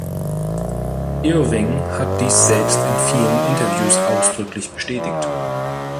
Irving hat dies selbst in vielen Interviews ausdrücklich bestätigt.